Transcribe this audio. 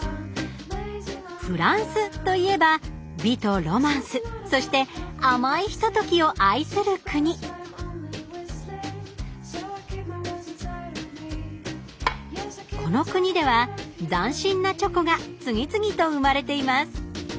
フランスといえば美とロマンスそして甘いひとときを愛する国この国では斬新なチョコが次々と生まれています